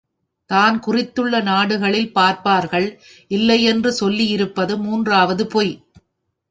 தான் குறித்துள்ள நாடுகளில் பார்ப்பார்கள் இல்லையென்று சொல்லியிருப்பது மூன்றாவது பொய்.